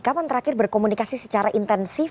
kapan terakhir berkomunikasi secara intensif